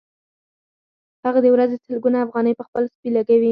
هغه د ورځې سلګونه افغانۍ په خپل سپي لګوي